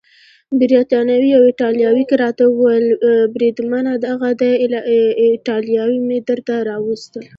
بریتانوي په ایټالوي کې راته وویل: بریدمنه دغه دي ایټالویان مې درته راوستل.